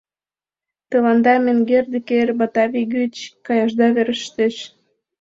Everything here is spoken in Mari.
— Тыланда, менгер Деккер, Батавий гыч каяшда верештеш.